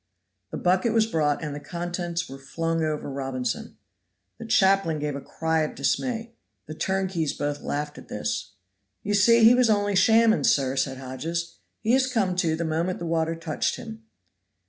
The bucket was brought and the contents were flung over Robinson. The chaplain gave a cry of dismay. The turnkeys both laughed at this. "You see he was only shamming, sir," said Hodges. "He is come to the moment the water touched him."